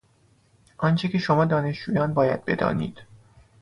آنچه که شما دانشجویان باید بدانید